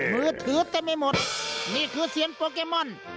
มือถือแต่ไม่หมดนี่คือเสียงโปรแกมอน